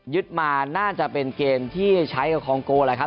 มาน่าจะเป็นเกมที่ใช้กับคองโกแหละครับ